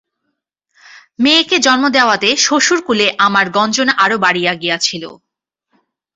মেয়েকে জন্ম দেওয়াতে শ্বশুরকুলে আমার গঞ্জনা আরো বাড়িয়া গিয়াছিল।